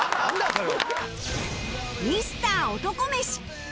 それ。